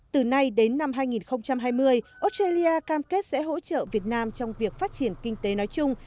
từ nay đến năm hai nghìn hai mươi australia cam kết sẽ hỗ trợ việt nam trong việc phát triển kinh tế nói chung